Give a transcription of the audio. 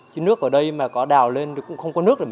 chứ nước ở đây mà có đào lên thì cũng không có nước được